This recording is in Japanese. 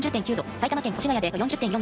埼玉県越谷で４０．４度。